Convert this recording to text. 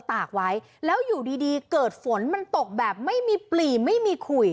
ตากไว้แล้วอยู่ดีดีเกิดฝนมันตกแบบไม่มีปลี่ไม่มีขุย